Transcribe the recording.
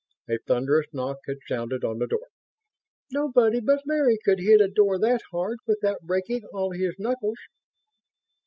A thunderous knock had sounded on the door. "Nobody but Larry could hit a door that hard without breaking all his knuckles!"